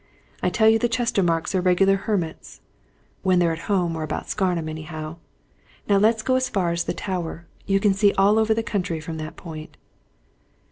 I tell you the Chestermarkes are regular hermits! when they're at home or about Scarnham, anyhow. Now let's go as far as the Tower you can see all over the country from that point."